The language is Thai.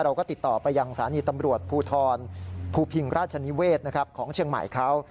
เราก็ติดต่อไปยังสถานีตำรวจภูทรภูพิงราชนิเวศของเชียงใหม่เขา